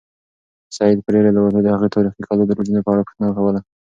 سعید په ډېرې لېوالتیا د هغې تاریخي کلا د برجونو په اړه پوښتنه کوله.